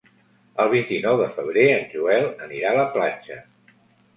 El vint-i-nou de febrer en Joel anirà a la platja.